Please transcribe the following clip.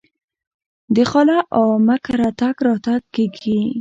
د خاله او عمه کره تګ راتګ کیږي.